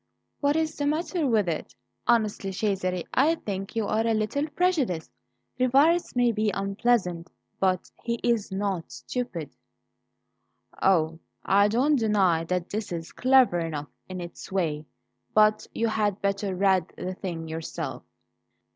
"What is the matter with it? Honestly, Cesare, I think you are a little prejudiced. Rivarez may be unpleasant, but he's not stupid." "Oh, I don't deny that this is clever enough in its way; but you had better read the thing yourself."